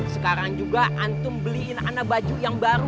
sekarang juga antum beliin anak baju yang baru